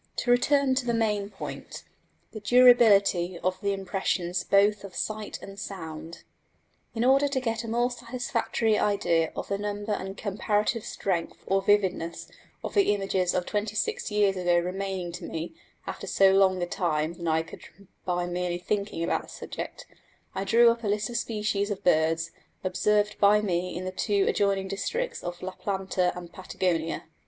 To return to the main point the durability of the impressions both of sight and sound. In order to get a more satisfactory idea of the number and comparative strength or vividness of the images of twenty six years ago remaining to me after so long a time than I could by merely thinking about the subject, I drew up a list of the species of birds observed by me in the two adjoining districts of La Plata and Patagonia.